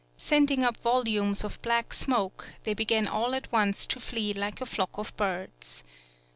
Sending up vol umes of black smoke, they began all at once to flee like a flock of birds.